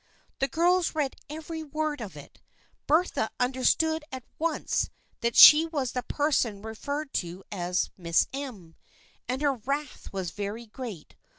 The girls read every word of it. Bertha under stood at once that she was the person referred to as " Miss M." and her wrath was very great.